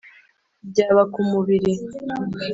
byaba ku mubiri